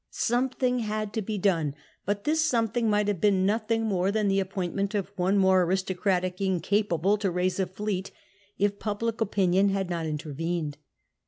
Something had to be done, but this something might have been nothing more than the appointment of one more aristocratic incapable to raise a fleet, if public opinion had not intervened.